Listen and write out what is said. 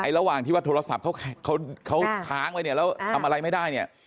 ระหว่างที่ว่าโทรศัพท์เขาค้างไว้เนี่ยแล้วทำอะไรไม่ได้เนี่ย